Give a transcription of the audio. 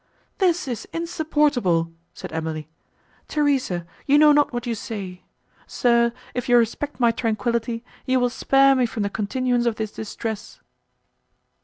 "This is insupportable!" said Emily; "Theresa, you know not what you say. Sir, if you respect my tranquillity, you will spare me from the continuance of this distress."